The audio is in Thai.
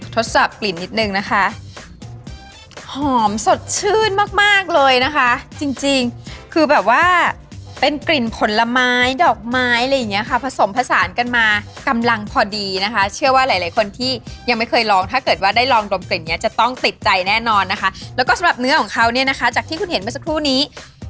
ทดสอบกลิ่นนิดนึงนะคะหอมสดชื่นมากมากเลยนะคะจริงจริงคือแบบว่าเป็นกลิ่นผลไม้ดอกไม้อะไรอย่างเงี้ยค่ะผสมผสานกันมากำลังพอดีนะคะเชื่อว่าหลายหลายคนที่ยังไม่เคยลองถ้าเกิดว่าได้ลองดมกลิ่นเนี้ยจะต้องติดใจแน่นอนนะคะแล้วก็สำหรับเนื้อของเขาเนี่ยนะคะจากที่คุณเห็นเมื่อสักครู่นี้